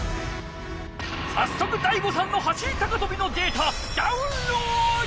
さっそく醍醐さんの走り高とびのデータダウンロード！